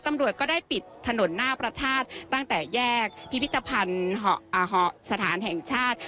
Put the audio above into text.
ตำรวจก็ได้ปิดถนนหน้าพระธาตุตั้งแต่แยกพิพิธภัณฑ์สถานแห่งชาติ